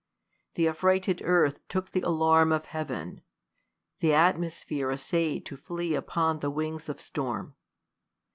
Th' affrighted earth Took the alarm of heav'n : the atmosphere Assay'd to flee upon the wings of storm.